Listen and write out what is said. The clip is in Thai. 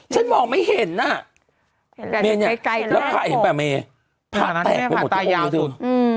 ฉันมองไม่เห็นอ่ะแล้วผ้าเห็นปะเมผ้าแตกไปหมดทั้งองค์เลยสุดอืม